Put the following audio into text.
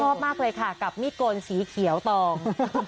ชอบมากเลยค่ะกับมีดโกนสีเขียวตอง